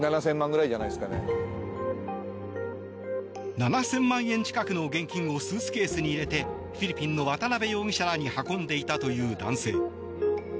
７０００万円近くの現金をスーツケースに入れてフィリピンの渡邉容疑者らに運んでいたという男性。